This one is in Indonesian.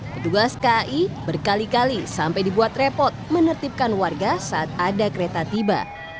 petugas kai berkali kali sampai dibuat repot menertibkan warga saat ada kereta tiba